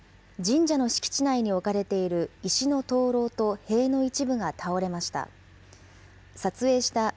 神社の敷地内に置かれている石の灯籠と塀の一部が倒れました。